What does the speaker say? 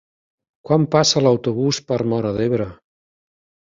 Quan passa l'autobús per Móra d'Ebre?